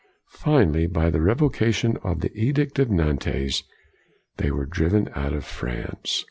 Finally, by the Revocation of the Edict of Nantes, they were driven out of France.